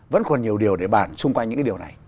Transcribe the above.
vẫn còn nhiều điều để bản xung quanh những cái điều này